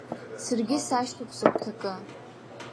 Саргьы сашьҭоуп сыгәҭакы!